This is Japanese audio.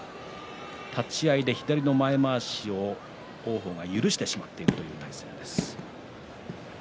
立ち合いで左の前まわしを王鵬が許してしまっている対戦です。